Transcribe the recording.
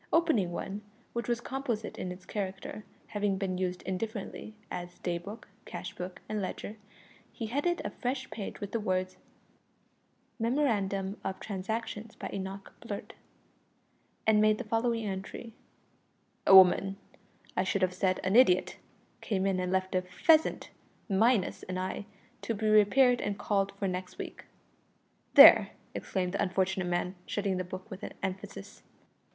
Opening one, which was composite in its character having been used indifferently as day book, cashbook, and ledger he headed a fresh page with the words "Memorandum of Transactions by Enoch Blurt," and made the following entry: "A woman I should have said an idiot came in and left a pheasant, minus an eye, to be repaired and called for next week." "There!" exclaimed the unfortunate man, shutting the book with emphasis.